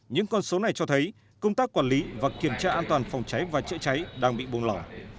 những con số này cho thấy công tác quản lý và kiểm tra an toàn phòng cháy và chữa cháy đang bị buông lỏng